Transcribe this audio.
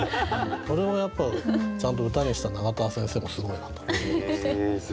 これをやっぱちゃんと歌にした永田先生もすごいなと思いますね。